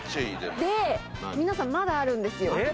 で皆さんまだあるんですよ。